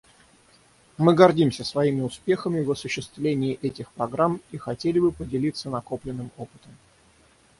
Мы гордимся своими успехами в осуществлении этих программ и хотели бы поделиться накопленным опытом.